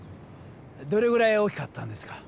どれぐらい大きかったんですか？